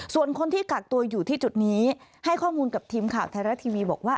ส่วนคนที่กักตัวอยู่ที่จุดนี้ให้ข้อมูลกับทีมข่าวไทยรัฐทีวีบอกว่า